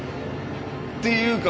っていうか